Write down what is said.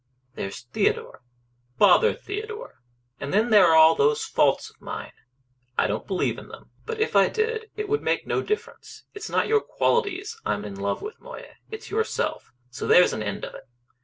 "There's Theodore " "Bother Theodore!" "And then there are all those faults of mine." "I don't believe in them. But if I did it would make no difference. It's not your qualities I'm in love with, Moya. It's yourself so there's an end of it."